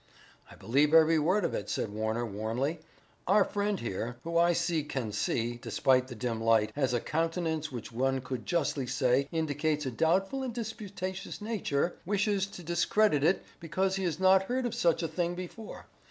"I believe every word of it," said Warner warmly. "Our friend here, who I see can see, despite the dim light, has a countenance which one could justly say indicates a doubtful and disputatious nature, wishes to discredit it because he has not heard of such a thing before.